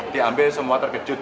diambil semua terkejut